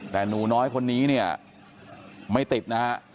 แต่หนูน้อยคนนี้เนี่ยไม่ติดนะฮะ